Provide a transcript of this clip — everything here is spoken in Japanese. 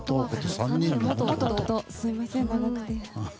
すみません、長くて。